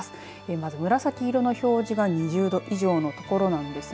まず紫色の表示が２０度以上の所なんですが。